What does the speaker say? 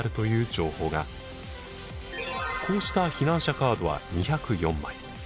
こうした避難者カードは２０４枚。